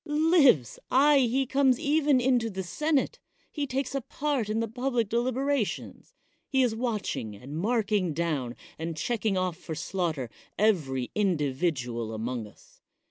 Lives! aye, he comes even into the senate. He takes a part in the public deliberations; he is watching and marMng down and checking off for slaughter every individual among us.